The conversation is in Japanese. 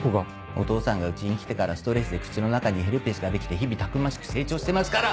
お義父さんがうちに来てからストレスで口の中にヘルペスが出来て日々たくましく成長してますから！